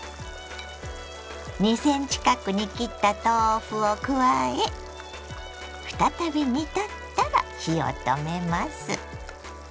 ２ｃｍ角に切った豆腐を加え再び煮立ったら火を止めます。